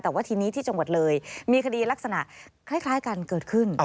แต่ว่าทีนี้ที่จังหวัดเลยมีคดีลักษณะคล้ายกันเกิดขึ้น